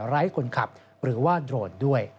ไร้คนขับหรือว่าโดรนด้วย